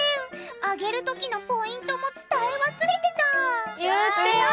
揚げるときのポイントも伝え忘れてた言ってよ。